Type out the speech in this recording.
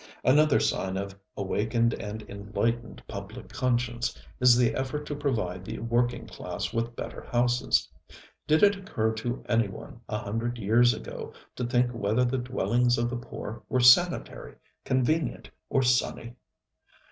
Another sign of awakened and enlightened public conscience is the effort to provide the working class with better houses. Did it occur to any one a hundred years ago to think whether the dwellings of the poor were sanitary, convenient or sunny?